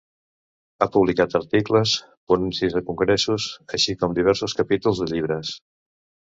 Ha publicat articles, ponències a congressos, així com diversos capítols de llibres.